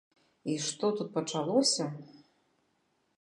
І што тут пачалося!